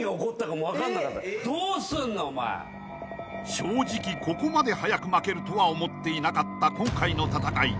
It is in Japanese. ［正直ここまで早く負けるとは思っていなかった今回の戦い］